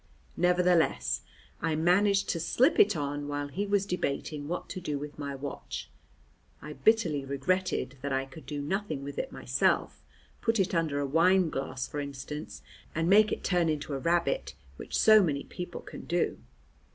Nevertheless I managed to slip it on while he was debating what to do with my watch. I bitterly regretted that I could do nothing with it myself, put it under a wine glass, for instance, and make it turn into a rabbit, which so many people can do.